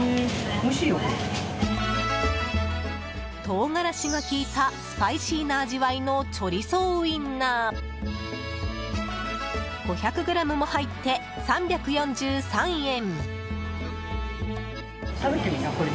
唐辛子が利いたスパイシーな味わいのチョリソーウインナー５００ｇも入って３４３円。